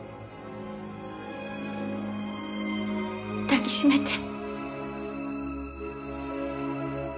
抱き締めて。